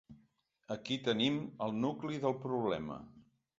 Aquí tenim el nucli del problema.